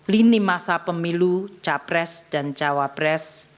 lini masa pemilu capres dan cawapres